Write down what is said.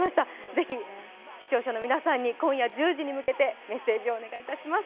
ぜひ視聴者の皆さんへ今夜１０時に向けてメッセージをお願いいたします。